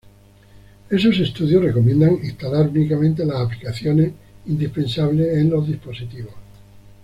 Esos estudios recomiendan instalar únicamente las aplicaciones indispensables en los dispositivos.